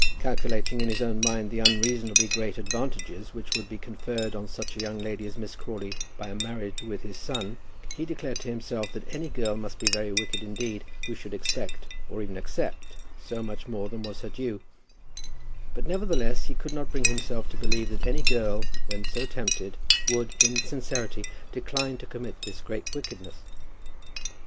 Calculating in his own mind the unreasonably great advantages which would be conferred on such a young lady as Miss Crawley by a marriage with his son, he declared to himself that any girl must be very wicked indeed who should expect, or even accept, so much more than was her due; but nevertheless he could not bring himself to believe that any girl, when so tempted, would, in sincerity, decline to commit this great wickedness.